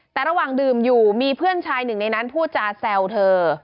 แต่ระหว่างดื่มอยู่มีเพื่อนชายหนึ่งในนั้นพูดจาแซวเธอ